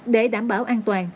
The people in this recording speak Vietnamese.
để đảm bảo an toàn